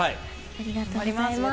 ありがとうございます。